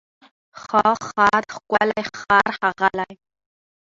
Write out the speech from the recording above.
ښه، ښاد، ښکلی، ښار، ښاغلی